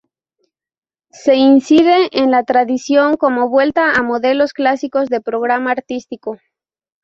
Se incide en la tradición como vuelta a modelos clásicos de programa artístico.